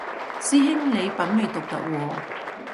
師兄你品味獨特喎